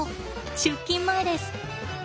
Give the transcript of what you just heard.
出勤前です。